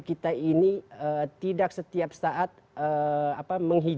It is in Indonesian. kami badai dengan wanita ke crew pergi lalu terima di setempat ke soal keunggm toko eh